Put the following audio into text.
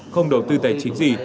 không đầu tư tài chính gì